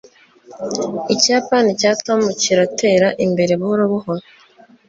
ikiyapani cya tom kiratera imbere buhoro buhoro